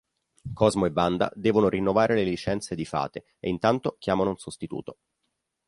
Cosmo e Wanda devono rinnovare le licenze di fate e intanto chiamano un sostituto.